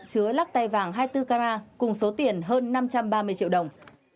các tay vàng hai mươi bốn carat cùng số tiền hơn năm trăm ba mươi triệu đồng